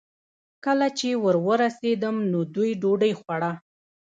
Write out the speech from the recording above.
کله چې ور ورسېدم، نو دوی ډوډۍ خوړه.